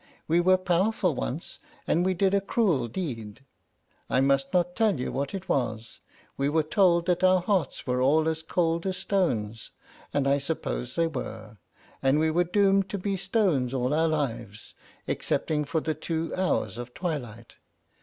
We were powerful once, and we did a cruel deed. I must not tell you what it was. We were told that our hearts were all as cold as stones, and I suppose they were, and we were doomed to be stones all our lives, excepting for the two hours of twilight.